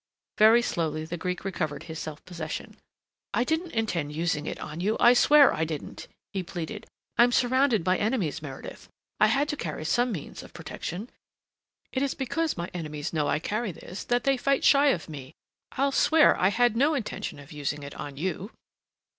Very slowly the Greek recovered his self possession. "I didn't intend using it on you, I swear I didn't," he pleaded. "I'm surrounded by enemies, Meredith. I had to carry some means of protection. It is because my enemies know I carry this that they fight shy of me. I'll swear I had no intention of using it on you.